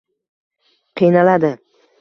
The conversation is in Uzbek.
Qiynaladi